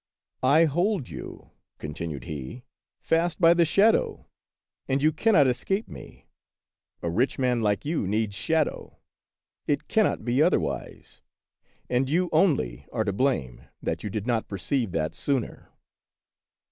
" I hold you," continued he, " fast by the shadow, and you cannot escape me. A rich man like you needs shadow, — it cannot be otherwise, — and you only are to blame that you did not perceive that sooner."